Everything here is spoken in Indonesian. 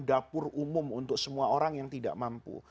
dapur umum untuk semua orang yang tidak mampu